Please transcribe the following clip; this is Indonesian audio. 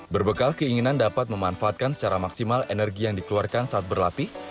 berbekal keinginan dapat memanfaatkan secara maksimal energi yang dikeluarkan saat berlatih